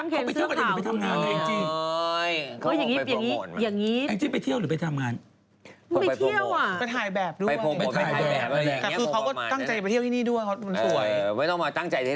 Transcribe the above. เขาไปเที่ยวกันหรือไปทำงานอิงจี